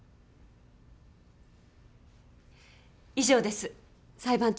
以上です裁判長。